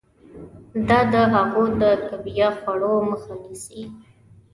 دا د هغو د کویه خوړو مخه نیسي.